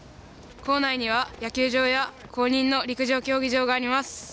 校内には、野球場や公認の陸上競技場があります。